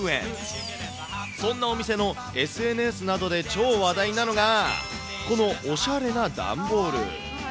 そんなお店のＳＮＳなどで超話題なのが、このおしゃれな段ボール。